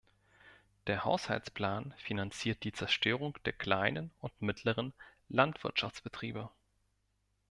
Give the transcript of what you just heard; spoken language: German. Der Haushaltsplan finanziert die Zerstörung der kleinen und mittleren Landwirtschaftsbetriebe.